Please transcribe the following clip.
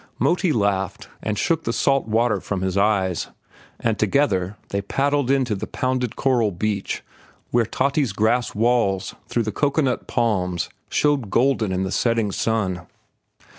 Moti laughed and shook the salt water from his eyes, and together they paddled in to the pounded coral beach where Tati's grass walls through the cocoanut palms showed golden in the setting sun.